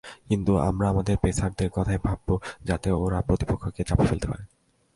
কিন্তু আমরা আমাদের পেসারদের কথাই ভাবব, যাতে ওরা প্রতিপক্ষকে চাপে ফেলতে পারে।